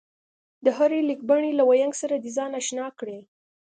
د هرې لیکبڼې له وينګ سره دې ځان اشنا کړي